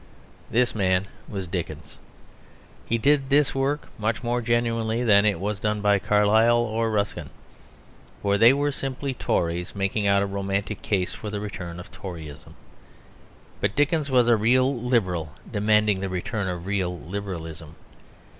This man was Dickens. He did this work much more genuinely than it was done by Carlyle or Ruskin; for they were simply Tories making out a romantic case for the return of Toryism. But Dickens was a real Liberal demanding the return of real Liberalism.